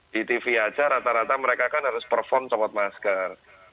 di tv aja rata rata mereka kan harus perform copot masker